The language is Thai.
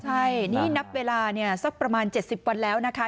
ใช่นี่นับเวลาเนี่ยสักประมาณเจ็ดสิบวันแล้วนะคะ